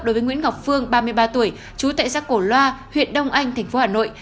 đối với nguyễn ngọc phương ba mươi ba tuổi trú tại giác cổ loa huyện đông anh tp hà nội